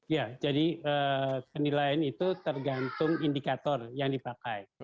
ya jadi penilaian itu tergantung indikator yang dipakai